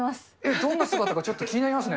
どんな姿がちょっと気になりますね。